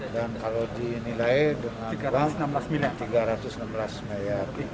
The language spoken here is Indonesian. dan kalau dinilai dengan bank tiga ratus enam belas mayat